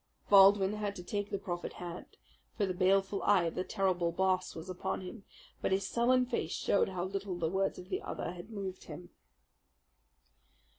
Baldwin had to take the proffered hand; for the baleful eye of the terrible Boss was upon him. But his sullen face showed how little the words of the other had moved him.